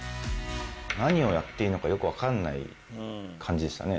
何をやっていいのかよくわからない感じでしたね。